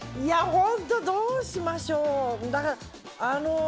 本当、どうしましょう。